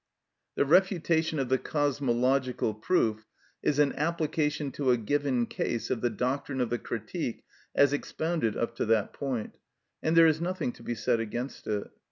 The refutation of the cosmological proof is an application to a given case of the doctrine of the Critique as expounded up to that point, and there is nothing to be said against it.